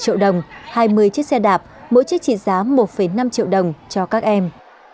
năm mươi triệu đồng hai mươi chiếc xe đạp mỗi chiếc trị giá một năm triệu đồng cho các em